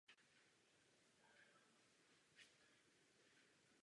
K příchodu na nástupiště slouží přechody přes koleje.